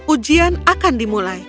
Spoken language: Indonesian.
ujian akan dimulai